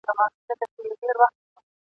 چي اولسونه ځانته بلا سي !.